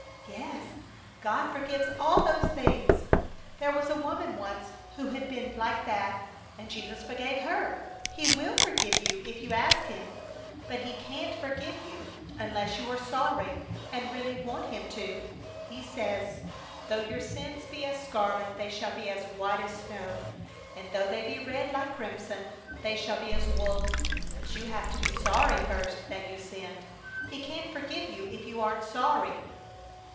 "Yes. God forgives all those things! There was a woman once who had been like that, and Jesus forgave her. He will forgive you if you ask Him. But He can't forgive you unless you are sorry and really want Him to. He says, 'Though your sins be as scarlet they shall be as white as snow; and though they be red like crimson, they shall be as wool,' but you have to be sorry first that you sinned. He can't forgive you if you aren't sorry."